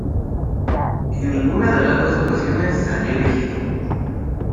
En ninguna de las dos ocasiones salió elegido.